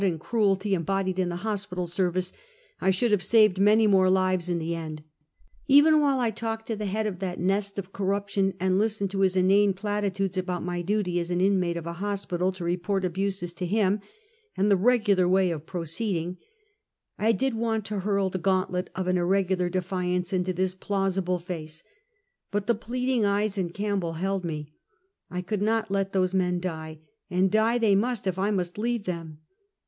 and cruelty embodied in the liospital service, I sliould have saved many more lives in the end. Even while I talked to the head of that nest of corruption, and listened to his inane platitudes about my duty as an inmate of a hospital to report abuses to him, and " the regular way of proceeding," I did want to hurl the gauntlet of an irregular defiance into his plausible face, but the pleading eyes in Campbell held me; I could not let those men die, and die they must if I must leave them.